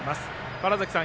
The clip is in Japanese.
川原崎さん